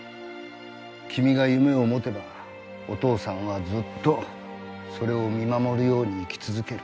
君が夢を持てばお父さんはずっとそれを見守るように生き続ける。